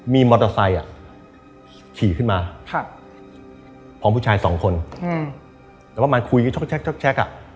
มีมอเตอร์ไซค์อ่ะขี่ขึ้นมาพร้อมผู้ชายสองคนแล้วประมาณคุยก็ช็อกอ่ะ